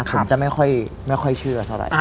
ผมจะไม่ค่อยเชื่อเท่าไหร่